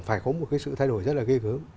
phải có một cái sự thay đổi rất là gây ứng